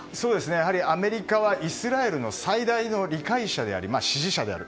やはり、アメリカはイスラエルの最大の理解者であり支持者である。